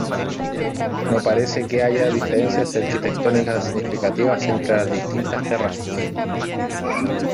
No parece que haya diferencias arquitectónicas significativas entre las distintas terrazas.